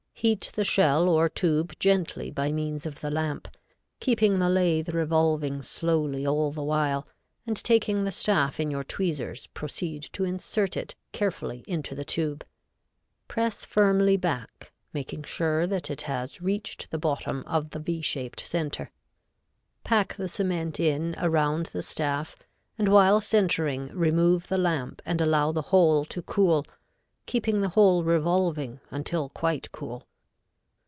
Heat the shell or tube gently by means of the lamp, keeping the lathe revolving slowly all the while, and taking the staff in your tweezers proceed to insert it carefully into the tube. Press firmly back, making sure that it has reached the bottom of the V shaped center. Pack the cement well in around the staff, and while centering remove the lamp and allow the whole to cool, keeping the whole revolving until quite cool.